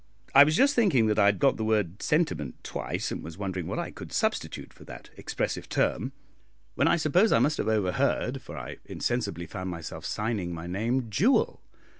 I was just thinking that I had got the word "sentiment" twice, and was wondering what I could substitute for that expressive term, when I suppose I must have overheard, for I insensibly found myself signing my name "Jewel."